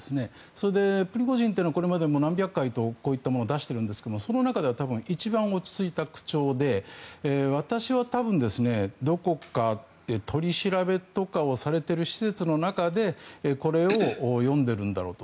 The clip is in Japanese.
それで、プリゴジンというのはこれまでも何百回とこういったものを出しているんですがその中では一番落ち着いた口調で私は多分、どこか取り調べとかをされている施設の中でこれを読んでいるんだろうと。